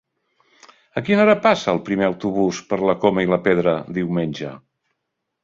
A quina hora passa el primer autobús per la Coma i la Pedra diumenge?